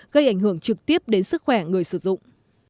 gây ảnh hưởng trực tiếp đến sức khỏe người sử dụng